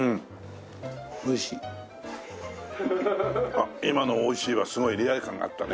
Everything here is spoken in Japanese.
あっ今の「おいしい」はすごいリアル感があったね。